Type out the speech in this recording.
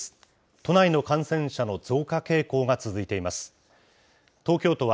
都内の感染者の増加傾向が続いています。